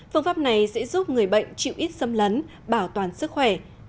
phương pháp này sẽ giúp người bệnh chịu ít xâm lấn bảo toàn sức khỏe